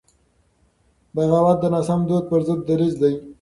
بغاوت د ناسم دود پر ضد دریځ دی.